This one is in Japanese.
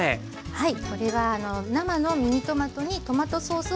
はい。